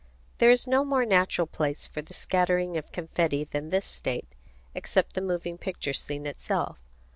There is no more natural place for the scattering of confetti than this state, except the moving picture scene itself.